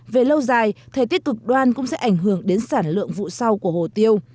về lâu dài thời tiết cực đoan cũng sẽ ảnh hưởng đến sản lượng vụ sau của hồ tiêu